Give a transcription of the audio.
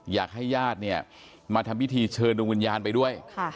อยากให้ญาติเนี่ยมาทำพิธีเชิญดวงวิญญาณไปด้วย